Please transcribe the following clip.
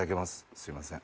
すいません。